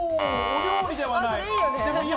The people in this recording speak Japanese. お料理ではない。